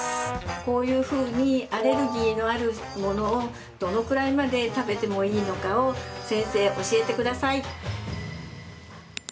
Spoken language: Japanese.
こういうふうにアレルギーのあるものをどのくらいまで食べてもいいのかを先生、教えてください。